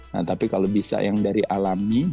nah tapi kalau bisa yang dari alami